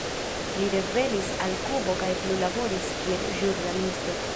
Li revenis al Kubo kaj plu laboris kiel ĵurnalisto.